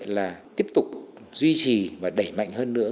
là tiếp tục duy trì và đẩy mạnh hơn nữa